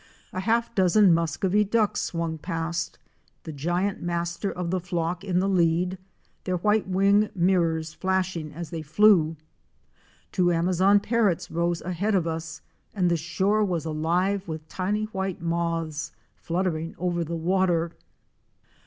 A half dozen Muscovy Ducks ® swung past, the giant master of the flock in the lead, their white wing mirrors flashing as they flew. Two Amazon Parrots rose ahead of us and the shore was alive with tiny white moths fluttering over the water.